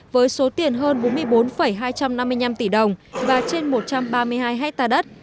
với số tiền hơn bốn mươi bốn hai trăm năm mươi năm tỷ đồng và trên một trăm ba mươi hai hectare đất